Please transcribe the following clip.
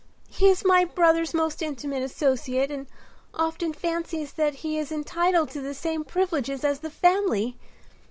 He is my brother's most intimate associate and often fancies that he is entitled to the same privileges as the family.